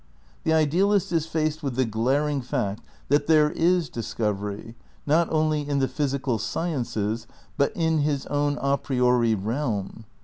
The idealist is faced with the glaring fact that there is discovery, not only in the physical sciences, but in his own a priori realm.